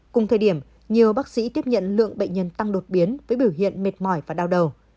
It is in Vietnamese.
cùng thời điểm nhiều bác sĩ tiếp nhận lượng bệnh nhân tăng đột biến với biểu hiện mệt mỏi và đau đầu